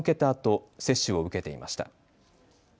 あと接種を受けていました。